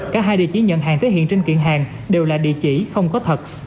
cả hai địa chỉ nhận hàng tới hiện trên kiện hàng đều là địa chỉ không có thật